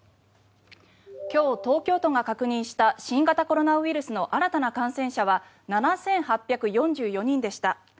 今日、東京都が確認した新型コロナウイルスの新たな感染者は７８４４人でした。